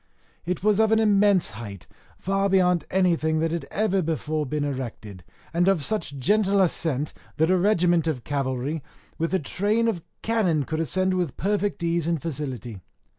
It was of an immense height, far beyond anything that ever had been before erected, and of such gentle ascent, that a regiment of cavalry with a train of cannon could ascend with perfect ease and facility.